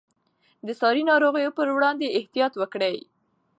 د ساري ناروغیو پر وړاندې احتیاط وکړئ.